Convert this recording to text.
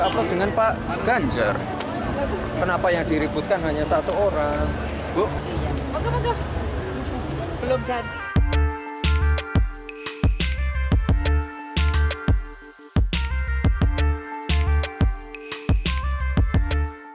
selesai dengan pak ganjar kenapa yang diributkan hanya satu orang buk belumkan